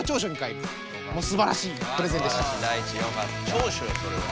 長所よそれは。